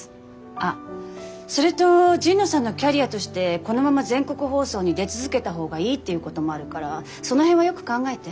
あっそれと神野さんのキャリアとしてこのまま全国放送に出続けた方がいいっていうこともあるからその辺はよく考えて。